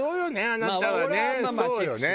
あなたはね。